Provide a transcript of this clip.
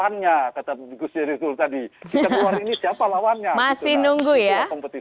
masih nunggu ya